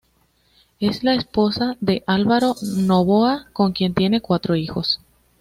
Es la esposa de Álvaro Noboa, con quien tiene cuatro hijos.